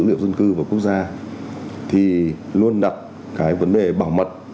dữ liệu dân cư và quốc gia thì luôn đặt cái vấn đề bảo mật